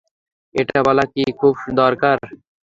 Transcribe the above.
এটা বলা কি খুব দরকার?